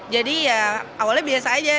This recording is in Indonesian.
jadi ya awalnya biasa aja